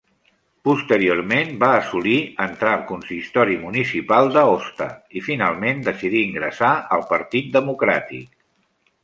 Posteriorment va assolir entrar al consistori municipal d'Aosta i finalment decidí ingressar al Partit Democràtic.